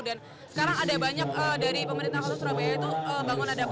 dan sekarang ada banyak dari pemerintah kota surabaya itu bangunan